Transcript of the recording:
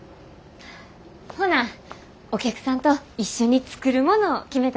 ほなお客さんと一緒に作るものを決めたいと思います。